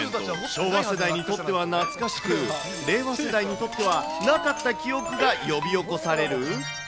昭和世代にとっては懐かしく、令和世代にとってはなかった記憶が呼び起こされる？